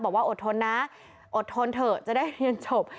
อดทนนะอดทนเถอะจะได้เรียนจบ